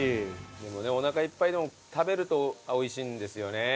でもねおなかいっぱいでも食べるとおいしいんですよね。